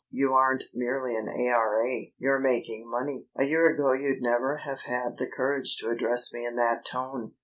You aren't merely an A.R.A. you're making money. A year ago you'd never have had the courage to address me in that tone.